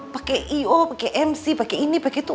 pakai i o pakai m c pakai ini pakai itu